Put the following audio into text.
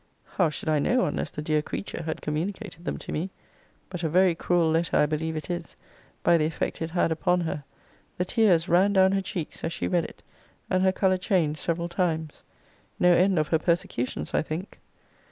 How should I know, unless the dear creature had communicated them to me? But a very cruel letter I believe it is, by the effect it had upon her. The tears ran down her cheeks as she read it; and her colour changed several times. No end of her persecutions, I think!